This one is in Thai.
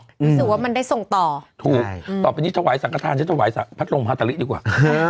รู้สึกว่ามันได้ส่งต่อถูกต่อไปนี้ถวายสังขทานฉันถวายพัดลมฮาตาลิดีกว่า